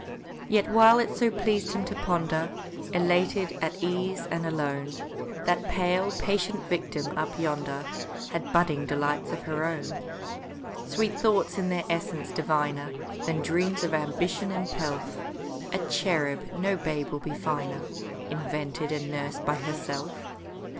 Yet while it so pleas'd him to ponder, Elated, at ease, and alone, That pale, patient victim up yonder Had budding delights of her own; Sweet thoughts in their essence diviner Than dreams of ambition and pelf; A cherub, no babe will be finer, Invented and nursed by herself!